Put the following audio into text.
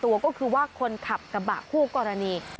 ตัวก็คือว่าคนขับกระบะคู่กรณี